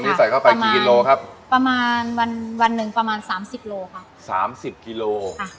นี่ใส่เข้าไปกี่กิโลครับประมาณวันวันหนึ่งประมาณสามสิบโลค่ะสามสิบกิโลอ่ะ